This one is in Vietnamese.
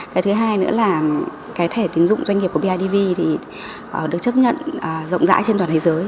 cái thứ hai nữa là cái thẻ tín dụng doanh nghiệp của bidv thì được chấp nhận rộng rãi trên toàn thế giới